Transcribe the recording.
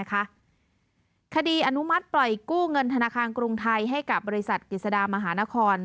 อนุมัติปล่อยกู้เงินธนาคารกรุงไทยให้กับบริษัทกฤษฎามหานคร